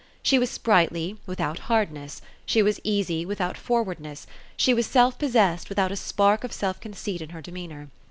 She was sprightly, without hardness ; she was easy, without forwardness; she was sel repossessed, without a spark of self conceit in her demeanour.